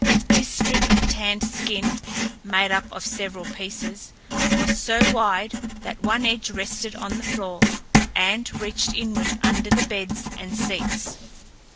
This strip of tanned skin made up of several pieces was so wide that one edge rested on the floor, and reached inward under the beds and seats.